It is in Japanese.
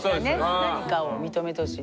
何かを認めてほしい。